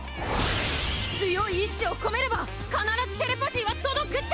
強い意志を込めれば必ずテレパシーは届くって！